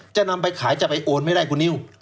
จะนำไปขายจะไปโอนไม่ได้คุณนิว